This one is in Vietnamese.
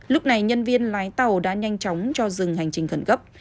lúc này nhân viên lái tàu đã nhanh chóng cho dừng hành trình khẩn cấp